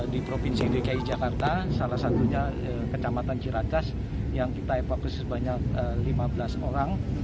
di provinsi dki jakarta salah satunya kecamatan ciracas yang kita evakuasi sebanyak lima belas orang